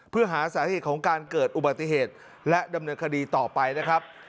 เพื่อหาสาเหตุของการเกิดอุบัติเหตุและดำเนินคดีต่อไปนะครับ